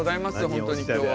本当に今日は。